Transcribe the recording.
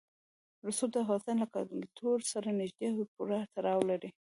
رسوب د افغانستان له کلتور سره نږدې او پوره تړاو لري.